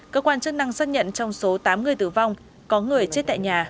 cơ quan chức năng xác nhận trong số tám người tử vong có người chết tại nhà